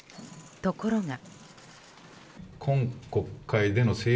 ところが。